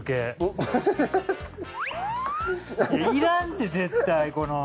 いらんて絶対この。